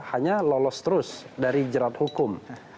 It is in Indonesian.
hanya lolos terus dari jerat hukum